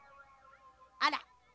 あら。